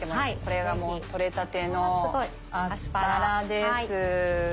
これが取れたてのアスパラです。